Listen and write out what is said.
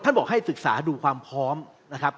บอกให้ศึกษาดูความพร้อมนะครับ